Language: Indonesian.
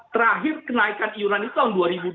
terakhir kenaikan iuran itu tahun dua ribu dua puluh